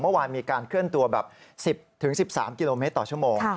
เมื่อวานมีการเคลื่อนตัวแบบ๑๐๑๓กิโลเมตรต่อชั่วโมง